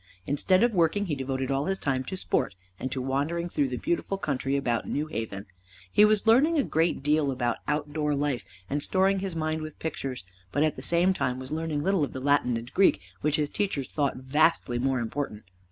Instead of working he devoted all his time to sport, and to wandering through the beautiful country about New Haven. He was learning a great deal about outdoor life, and storing his mind with pictures, but at the same time was learning little of the Latin and Greek which his teachers thought vastly more important.